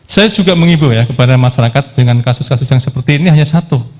saya juga mengibu ya kepada masyarakat dengan kasus kasus yang seperti ini hanya satu